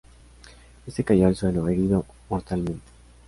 Éste cayó al suelo, herido mortalmente.